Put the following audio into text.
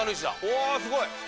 うわすごい！